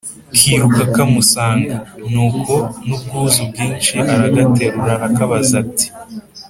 kiruka kamusanga. nuko n'ubwuzu bwinshi aragaterura. arakabaza ati:"